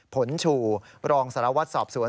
ผลฉู่รองสารวัตรสอบสวน